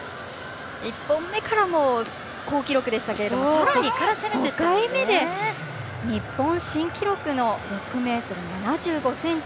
１本目から好記録でしたけれどもさらに５回目で日本新記録の６ｍ７５ｃｍ。